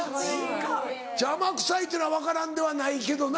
邪魔くさいっていうのは分からんではないけどな。